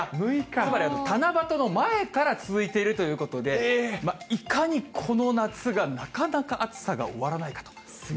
つまり七夕の前から続いているということで、いかにこの夏がなかなか暑さが終わらないかという。